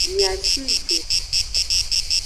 Mia shi ju.